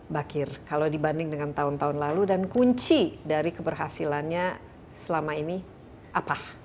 bakir kalau dibanding dengan tahun tahun lalu dan kunci dari keberhasilannya selama ini apa